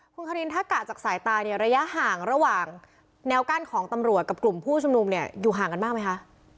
คุณคารินถ้ากะจากสายตาเนี่ยระยะห่างระหว่างแนวกั้นของตำรวจกับกลุ่มผู้ชุมนุมเนี่ยอยู่ห่างกันมากไหมคะ